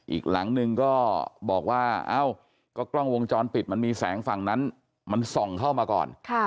อีกหลังนึงก็บอกว่าเอ้าก็กล้องวงจรปิดมันมีแสงฝั่งนั้นมันส่องเข้ามาก่อน